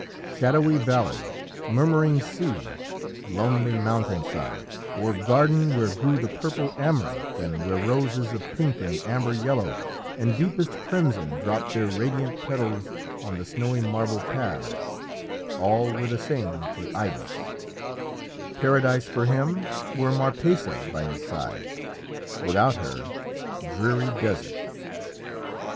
Shadowy valley, murmuring sea, lonely mountain side, or garden where grew the purple amaranth and where roses of pink and amber yellow and deepest crimson dropped their radiant petals on the snowy marble paths, all were the same to Idas Paradise for him, were Marpessa by his side; without her, dreary desert.